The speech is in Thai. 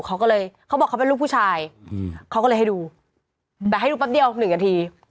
เขาก็เลยเขาบอกเขาเป็นลูกผู้ชายเขาก็เลยให้ดูแต่ให้ดูแป๊บเดียว๑นาที